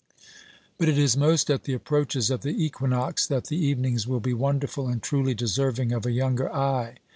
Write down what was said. But it is most at the approaches of the equinox that the 292 OBERMANN evenings will be wonderful and truly deserving of a younger eye.